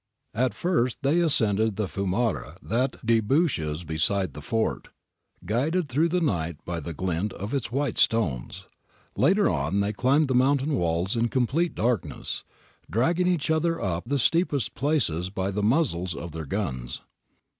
At first they ascended the fiumara that debouches beside the fort, guided through the night by the glint of its white stones ; later on they climbed the mountain walls in complete darkness, dragging each other up the steepest places by the muzzles of their guns.